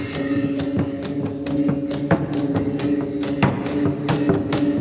สวัสดีสวัสดี